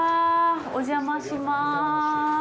お邪魔します。